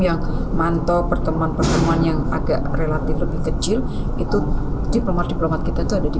yang mantau pertemuan pertemuan yang agak relatif lebih kecil itu diplomat diplomat kita itu ada di